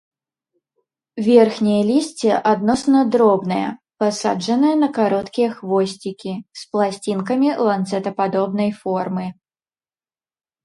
Верхняе лісце адносна дробнае, пасаджанае на кароткія хвосцікі, з пласцінкамі ланцэтападобнай формы.